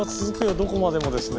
どこまでもですね。